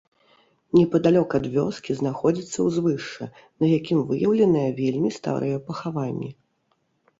Непадалёк ад вёскі знаходзіцца ўзвышша, на якім выяўленыя вельмі старыя пахаванні.